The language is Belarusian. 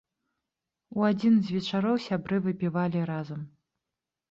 У адзін з вечароў сябры выпівалі разам.